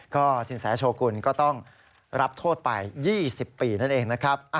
ก็สินแสโชกุลก็ต้องรับโทษไป๒๐ปีนั่นเองนะครับ